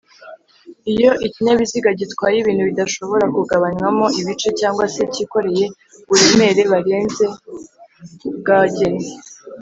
iyo ikinyabiziga gitwaye ibintu bidashobora kugabanywamo ibice cg se kikoreye uburemere barenze ubwagenwe